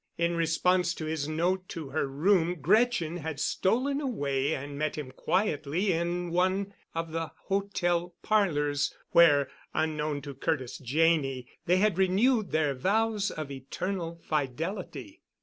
In response to his note to her room Gretchen had stolen away and met him quietly in one of the hotel parlors, where, unknown to Curtis Janney, they had renewed their vows of eternal fidelity.